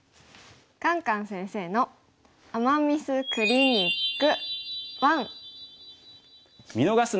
「カンカン先生の“アマ・ミス”クリニック１」。